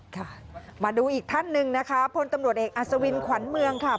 ค่ะมาดูอีกท่านหนึ่งนะคะพลตำรวจเอกอัศวินขวัญเมืองค่ะ